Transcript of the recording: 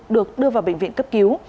được đưa vào bệnh viện cấp cứu